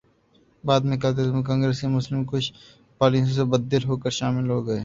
بعد میں قائداعظم کانگریس کی مسلم کش پالیسیوں سے بددل ہوکر شامل ہوگئے